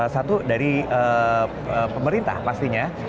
satu dari pemerintah pastinya